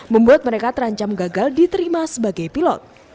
membuat mereka terancam gagal diterima sebagai pilot